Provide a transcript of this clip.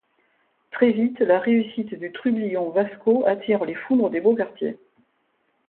Très vite la réussite du trublion Vasco attire les foudres des beaux quartiers.